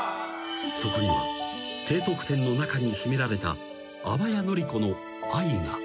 ［そこには低得点の中に秘められた淡谷のり子の愛が］